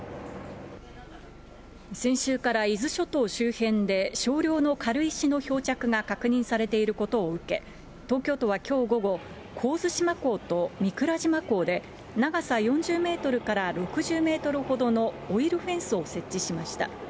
先週から伊豆諸島周辺で、少量の軽石の漂着が確認されていることを受け、東京都はきょう午後、神津島港と御蔵島港で、長さ４０メートルから６０メートルほどのオイルフェンスを設置しました。